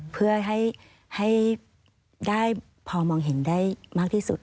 เพื่อให้ได้พอมองเห็นได้มากที่สุด